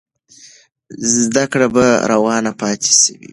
زده کړه به روانه پاتې سوې وي.